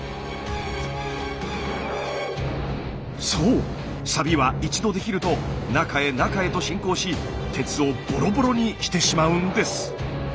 そうサビは一度できると中へ中へと進行し鉄をボロボロにしてしまうんです。